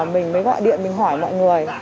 mình mới gọi điện mình hỏi mọi người